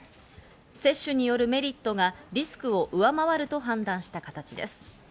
接種によるメリットがリスクを上回ると判断した形です。